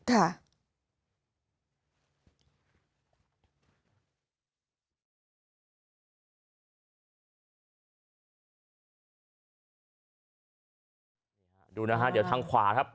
ดูนะฮะเดี๋ยวทางขวาครับ